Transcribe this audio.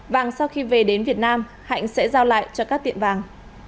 vàng sau khi về đến việt nam hạnh sẽ giao lại cho các tiệm vàng